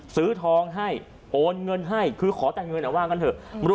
ซื้อทองให้โอนเงินให้คือขอแต่เงินว่างั้นเถอะ